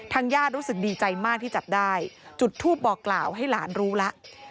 ญาติรู้สึกดีใจมากที่จับได้จุดทูปบอกกล่าวให้หลานรู้แล้ว